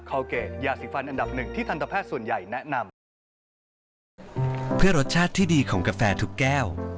คอลเกจยาสีฟันอันดับหนึ่งที่ทันตแพทย์ส่วนใหญ่แนะนำ